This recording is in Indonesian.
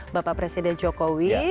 bapak presiden jokowi